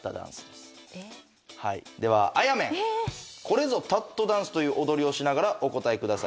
これぞタットダンスという踊りをしながらお答えください。